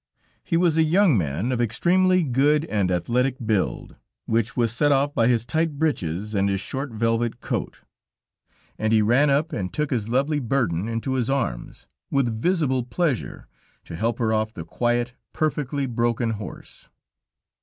He was a young man of extremely good and athletic build, which was set off by his tight breeches and his short velvet coat, and he ran up and took his lovely burden into his arms with visible pleasure, to help her off the quiet, perfectly broken horse.